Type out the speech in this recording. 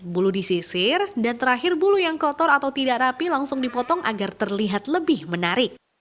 bulu disisir dan terakhir bulu yang kotor atau tidak rapi langsung dipotong agar terlihat lebih menarik